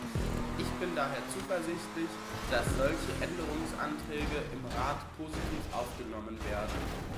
Ich bin daher zuversichtlich, dass solche Änderungsanträge im Rat positiv aufgenommen werden.